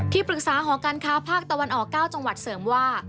ปรึกษาหอการค้าภาคตะวันออก๙จังหวัดเสริมว่า